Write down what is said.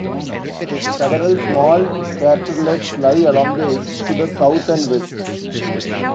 Several small craterlets lie along the edge to the south and west.